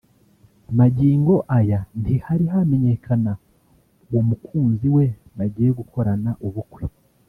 Magingo aya ntihari hamenyekana uwo mukunzi we bagiye gukorana ubukwe